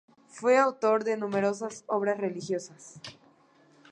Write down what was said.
Fue autor de numerosas obras religiosas.